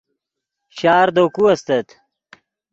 شار دے کو استت